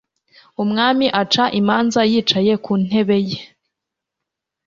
Umwami aca imanza yicaye ku ntebe ye